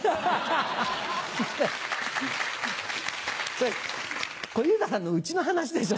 それ小遊三さんの家の話でしょ？